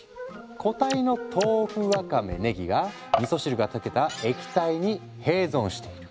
固体の豆腐わかめねぎがみそ汁が溶けた液体に併存している。